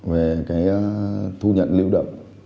về cái thu nhận lưu động